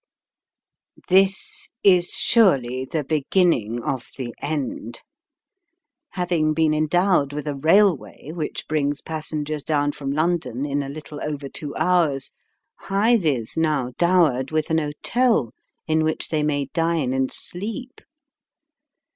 This is surely the beginning of the end. Having been endowed with a railway which brings passengers down from London in a little over two hours, Hythe is now dowered with an hotel in which they may dine and sleep.